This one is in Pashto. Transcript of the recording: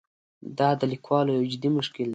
دا د لیکوالو یو جدي مشکل دی.